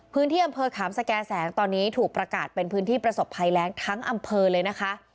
พื้นที่อำเภอขามสแก่แสงตอนนี้ถูกประกาศเป็นพื้นที่ประสบภัยแรงทั้งอำเภอเลยนะคะ